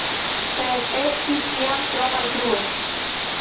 Sed estis jam tro malfrue.